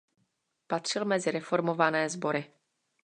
Patřil mezi reformované sbory.